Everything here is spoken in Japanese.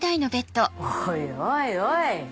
おいおいおい